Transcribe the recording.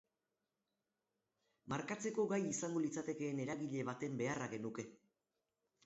Markatzeko gai izango litzatekeen eragile baten beharra genuke.